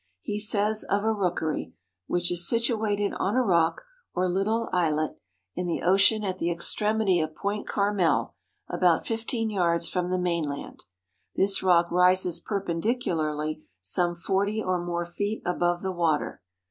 He says of a rookery "which is situated on a rock, or little islet, in the ocean at the extremity of Point Carmel, about fifteen yards from the mainland. This rock rises perpendicularly some forty or more feet above the water.